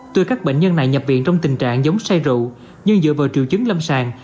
tuy các bệnh nhân này nhập viện trong tình trạng giống sai rượu nhưng dựa vào triệu chứng lâm sàng